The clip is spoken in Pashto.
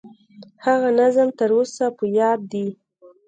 هغه نظم تر اوسه په یاد دي.